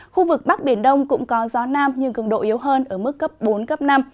khu vực bắc biển đông cũng có gió nam nhưng cường độ yếu hơn ở mức cấp bốn cấp năm